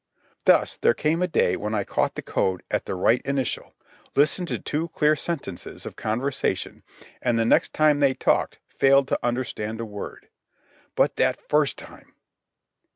Thus, there came a day when I caught the code at the right initial, listened to two clear sentences of conversation, and, the next time they talked, failed to understand a word. But that first time!